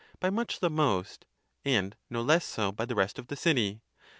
by much the most, and no less so by the rest of the city.